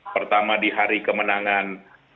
pertama di hari kemenangan